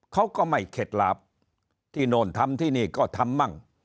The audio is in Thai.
เขาก็ไม่เข็ดลาบที่โน่นธรรมที่นี่ก็ธรรมบ้าง